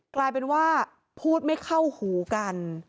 กลายเป็นว่าพูดไม่เข้าหูกัน